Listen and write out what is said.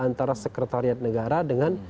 antara sekretariat negara dengan